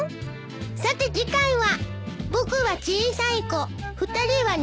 さて次回は。